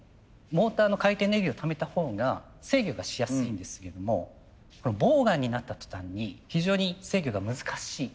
モーターの回転エネルギーをためたほうが制御がしやすいんですけどもボーガンになった途端に非常に制御が難しい。